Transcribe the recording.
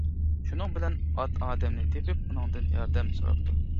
شۇنىڭ بىلەن ئات ئادەمنى تېپىپ ئۇنىڭدىن ياردەم سوراپتۇ.